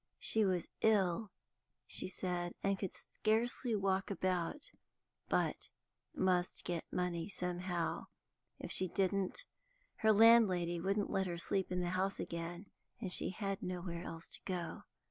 She was ill, she said, and could scarcely walk about, but must get money somehow; if she didn't, her landlady wouldn't let her sleep in the house again, and she had nowhere else to go to.